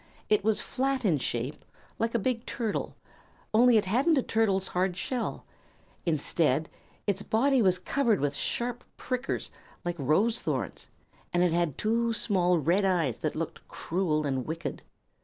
It was flat in shape, like a big turtle; only it hadn't a turtle's hard shell. Instead, its body was covered with sharp prickers, like rose thorns, and it had two small red eyes that looked cruel and wicked.